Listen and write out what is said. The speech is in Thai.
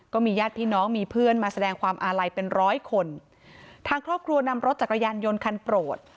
ก็มีญาติพี่น้องมีเพื่อนมาแสดงความอาลัยเป็นร้อยคนทางครอบครัวนำรถจักรยานยนต์คันโปรด